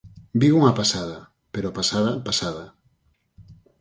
Vigo unha pasada, pero pasada, pasada.